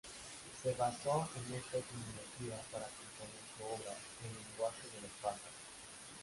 Se basó en esta etimología para componer su obra "El lenguaje de los pájaros".